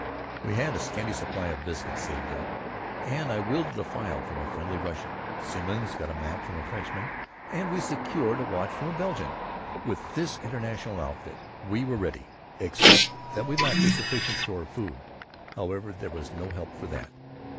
We had a scanty supply of biscuits saved up and I had wheedled a file from a friendly Russian; Simmons got a bit of a map from a Frenchman; and we secured a watch from a Belgian. With this international outfit we were ready, except that we lacked a sufficient store of food. However, there was no help for that.